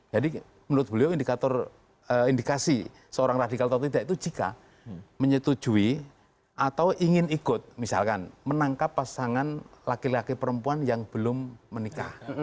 jadi menurut beliau indikator indikasi seorang radikal atau tidak itu jika menyetujui atau ingin ikut misalkan menangkap pasangan laki laki perempuan yang belum menikah